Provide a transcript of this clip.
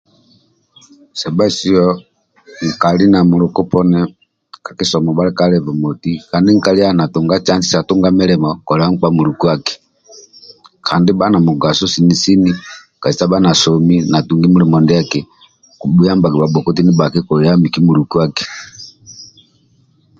Sebhalisio nkali na muluka poni ka kisomo bali ka levo moti kandi nkali ali na tunga cansi sa tunga mulimo kolia nkpa muluaki kandi bhali na mugaso sini sini kasita avha na somi natungi mulimo akibhuyambaga bha bhakoti ndibhaki kolia miki mulukuaki